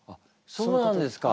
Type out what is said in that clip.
そうなんですか。